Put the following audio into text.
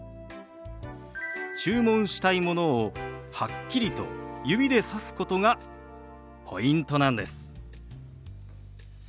注文したいものをはっきりと指でさすことがポイントなんです。